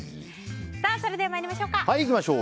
それでは参りましょう。